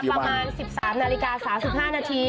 ประมาณ๑๓นาฬิกา๓๕นาที